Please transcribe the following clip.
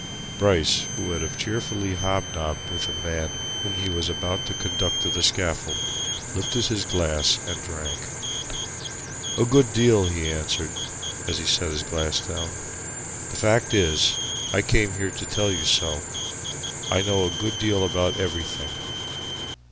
Bryce, who would have cheerfully hobnobbed with a man whom he was about to conduct to the scaffold, lifted his glass and drank. "A good deal," he answered as he set the glass down. "The fact is I came here to tell you so! I know a good deal about everything."